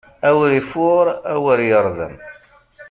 Awer ifuṛ, awer yeṛdem.